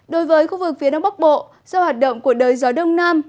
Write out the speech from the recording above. đối với khu vực phía đông bắc bộ do hoạt động của đới gió đông nam